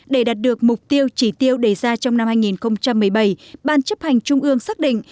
để đạt được mục tiêu chỉ tiêu đề ra trong năm hai nghìn một mươi bảy ban chấp hành trung ương xác định